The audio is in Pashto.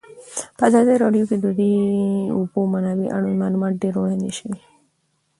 په ازادي راډیو کې د د اوبو منابع اړوند معلومات ډېر وړاندې شوي.